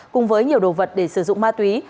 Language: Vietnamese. cùng với nhiều đồ vật để sử dụng ma túy